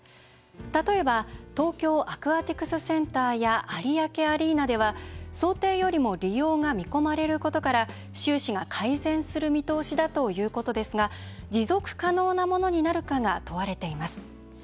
例えば東京アクアティクスセンターや有明アリーナでは想定よりも利用が見込まれることから収支が改善する見通しだということですが持続可能なものになるかが問われています。